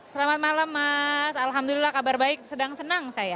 selamat malam mas alhamdulillah kabar baik sedang senang saya